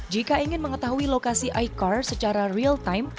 jika ingin mengetahui lokasi icar secara real time